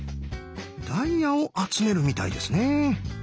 ダイヤを集めるみたいですね。